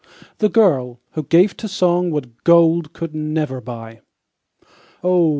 The girl, who gave to song What gold could never buy. Oh!